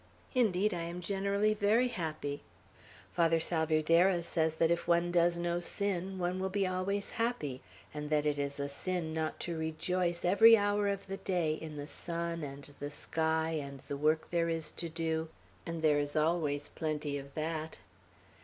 "Indeed, I am generally very happy. Father Salvierderra says that if one does no sin, one will be always happy, and that it is a sin not to rejoice every hour of the day in the sun and the sky and the work there is to do; and there is always plenty of that."